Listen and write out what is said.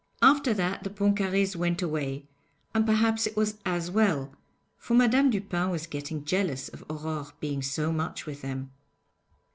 After that the Pontcarrés went away, and perhaps it was as well, for Madame Dupin was getting jealous of Aurore being so much with them.